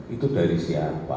itu dari siapa